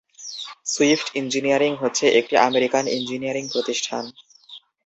Swift engineering হচ্ছে একটি American engineering প্রতিষ্ঠান।